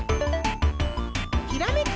ひらめき！